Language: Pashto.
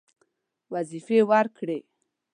وظیفې ورکړې.